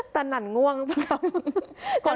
แต่นั่นง่วงหรือเปล่า